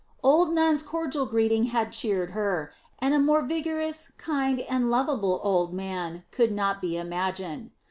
Old Nun's cordial greeting had cheered her, and a more vigorous, kind, and lovable old man could not be imagined.